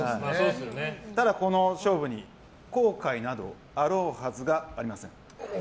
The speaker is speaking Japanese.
ただ、この勝負に後悔などあろうはずがありません。